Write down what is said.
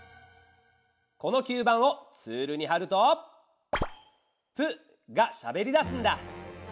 この吸盤をツールにはると「プ」がしゃべりだすんだ。